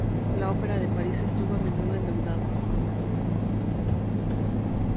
La Ópera de París estuvo a menudo endeudada.